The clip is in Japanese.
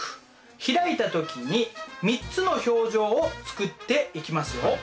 開いた時に３つの表情を作っていきますよ。